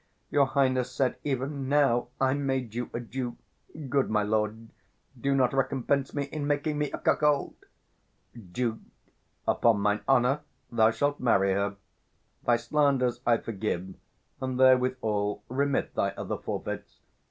Your highness said even now, I made you a Duke: good my lord, do not recompense me in making me a cuckold. 515 Duke. Upon mine honour, thou shalt marry her. Thy slanders I forgive; and therewithal Remit thy other forfeits.